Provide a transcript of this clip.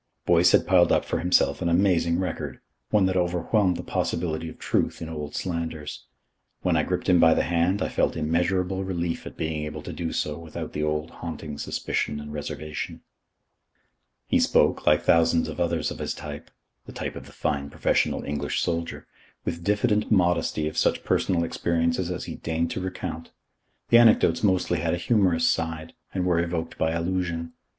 Boyce had piled up for himself an amazing record, one that overwhelmed the possibility of truth in old slanders. When I gripped him by the hand, I felt immeasurable relief at being able to do so without the old haunting suspicion and reservation. He spoke, like thousands of others of his type the type of the fine professional English soldier with diffident modesty of such personal experiences as he deigned to recount. The anecdotes mostly had a humorous side, and were evoked by allusion.